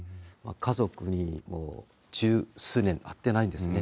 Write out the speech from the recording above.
家族に十数年会ってないんですね。